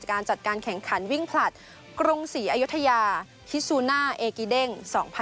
การจัดการแข่งขันวิ่งผลัดกรุงศรีอยุธยาคิซูน่าเอกิเด้ง๒๐๑๖